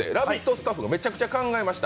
スタッフがめちゃめちゃ考えました。